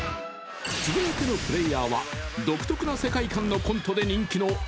［続いてのプレーヤーは独特な世界観のコントで人気の］